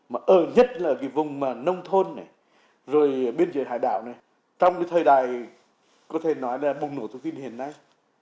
mà ở nhất là vùng nông thôn biên giới hải đảo trong thời đại bùng nổ thông tin hiện nay